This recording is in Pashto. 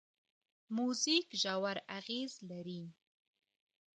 موزیک ژور اغېز لري.